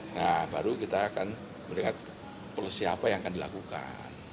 nah baru kita akan melihat polisi apa yang akan dilakukan